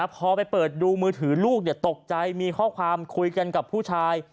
พอไปเปิดดูมือถือลูกตกใจมีข้อความคุยกันกับผู้ชาย